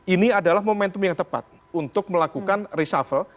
ini adalah momentum yang tepat untuk melakukan reshuffle